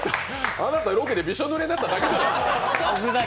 あなた、ロケでびしょぬれになっただけじゃないですか。